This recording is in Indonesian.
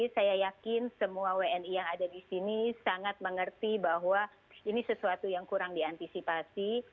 saya yakin semua wni yang ada di sini sangat mengerti bahwa ini sesuatu yang kurang diantisipasi